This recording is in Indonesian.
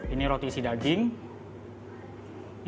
ini roti isi daging